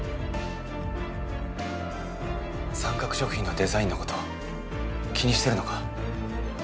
三角食品のデザインのこと気にしてるのか？